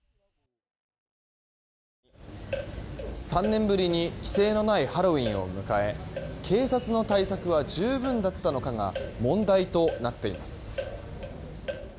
３年ぶりに規制のないハロウィーンを迎え警察の対策は十分だったのかが問題となっています。